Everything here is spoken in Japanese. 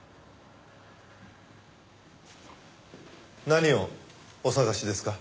何をお捜しですか？